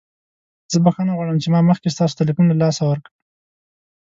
زه بخښنه غواړم چې ما مخکې ستاسو تلیفون له لاسه ورکړ.